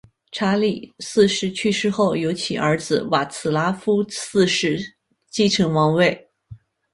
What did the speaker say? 查理四世去世后由其儿子瓦茨拉夫四世继承王位。